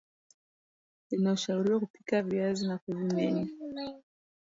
inashauriwa kupika viazi na kuvimenya